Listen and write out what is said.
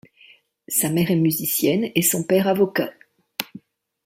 Sa mère est musicienne et son père avocat.